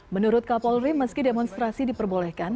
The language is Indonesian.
menurut kapolri meski demonstrasi diperbolehkan